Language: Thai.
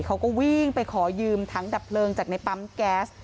เขาก็วิ่งไปขอยืมถังดับเพลิงจากในปั๊มแก๊ส